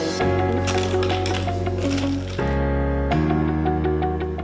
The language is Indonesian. kacang yang lain